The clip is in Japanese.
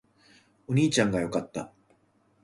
お兄ちゃんが良かった